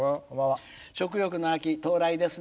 食欲の秋、到来ですね。